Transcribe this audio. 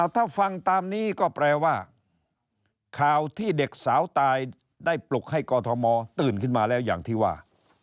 ถ้าฟังตามนี้ก็แปลว่าข่าวที่เด็กสาวตายได้ปลุกให้กอทมตื่นขึ้นมาแล้วอย่างที่ว่า